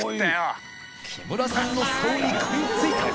木村さんの竿に食いついた）